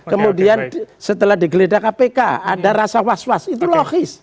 kemudian setelah digeledah kpk ada rasa was was itu logis